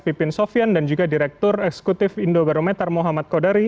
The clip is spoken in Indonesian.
pipin sofian dan juga direktur eksekutif indobarometer muhammad kodari